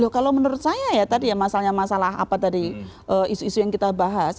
kalau menurut saya ya tadi ya masalahnya masalah apa tadi isu isu yang kita bahas